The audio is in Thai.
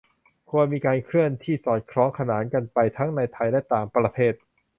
ควรมีการเคลื่อนที่สอดคล้องขนานกันไปทั้งในไทยและต่างประเทศ